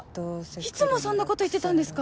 いつもそんなこと言ってたんですか？